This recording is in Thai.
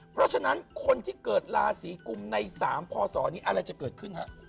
เพราะฉะนั้นคนที่เกิดราศีกุมใน๓พศนี้อะไรจะเกิดขึ้นฮะ